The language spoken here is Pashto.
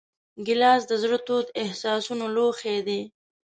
ګیلاس د زړه تودو احساسونو لوښی دی.